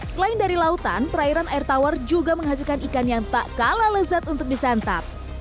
selain dari lautan perairan air tawar juga menghasilkan ikan yang tak kalah lezat untuk disantap